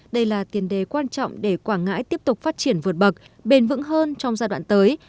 đây là tiền đề quan trọng để quảng ngãi tiếp tục phát triển vượt bậc bền vững hơn trong giai đoạn tới